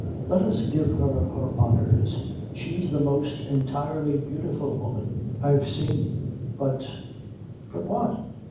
Let us give her her honours. She's the most entirely beautiful woman I've seen. But " "But what?"